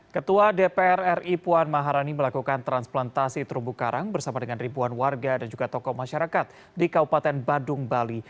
ketua dpr ri puan maharani melakukan transplantasi terumbu karang bersama dengan ribuan warga dan juga tokoh masyarakat di kabupaten badung bali